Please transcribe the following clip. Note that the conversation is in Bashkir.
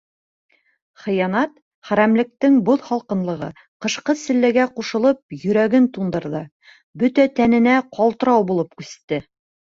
Хыянат, хәрәмлектең боҙ һалҡынлығы, ҡышҡы селләгә ҡушылып, йөрәген туңдырҙы, бөтә тәненә ҡалтырау булып күсте.